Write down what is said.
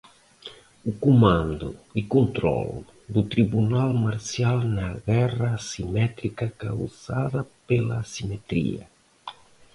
O comando e controlo do tribunal marcial na guerra assimétrica causada pela assimetria